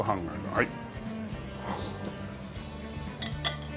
はい。